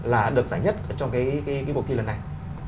là được giải nhất cho cái cuộc thi lần này